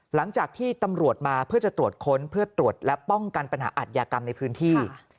หลังจากที่ตำรวจมาเพื่อจะตรวจค้นเพื่อตรวจและป้องกันปัญหาอัตยากรรมในพื้นที่